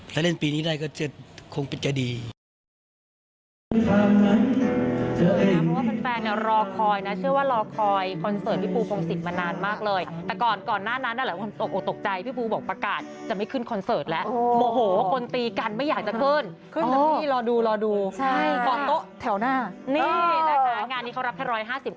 ถ้าเล่นปีนี้ได้ก็จะคงเป็นใจดี